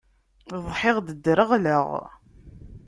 Ḍḥiɣ-d ddreɣleɣ.